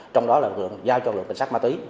trong đó là lực lượng giao cho lực lượng cảnh sát ma túy